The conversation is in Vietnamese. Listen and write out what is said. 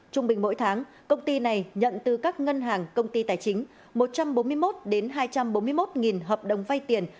trung bình mỗi tháng công ty này nhận từ các ngân hàng công ty tài chính một trăm bốn mươi một đến hai trăm bốn mươi một hợp đồng vay tiền